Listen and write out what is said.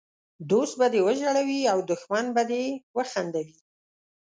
دوست به دې وژړوي او دښمن به دي وخندوي!